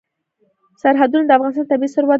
سرحدونه د افغانستان طبعي ثروت دی.